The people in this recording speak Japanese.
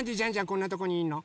こんなとこにいんの？